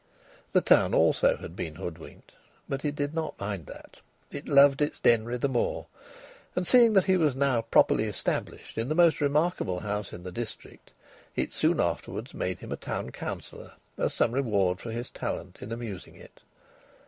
The town also had been hoodwinked, but it did not mind that. It loved its Denry the more, and seeing that he was now properly established in the most remarkable house in the district, it soon afterwards made him a Town Councillor as some reward for his talent in amusing it.